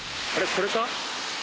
これか？